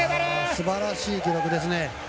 すばらしい記録ですね。